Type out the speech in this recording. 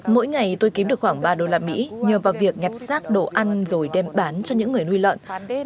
mỗi ngày tôi kiếm được khoảng ba đô la mỹ nhờ vào việc nhặt xác đồ ăn rồi đem bán cho những người nuôi lợn